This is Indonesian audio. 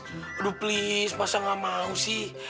aduh please masa gak mau sih